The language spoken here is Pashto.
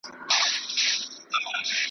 شنه به له خندا سي وايي بله ورځ .